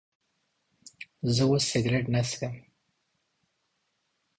زه اوس سيګرټ نه سکم